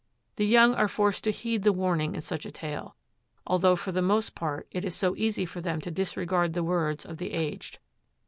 The young are forced to heed the warning in such a tale, although for the most part it is so easy for them to disregard the words of the aged.